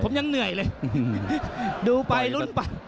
ผมยังเหนื่อยเลยดูไปลุ้นไป